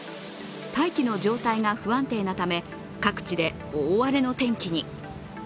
大気の状態が不安定なため各地で大雨の天気に。